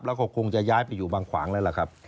แล้วก็คงจะย้ายไปอยู่บางขวางแล้วล่ะครับ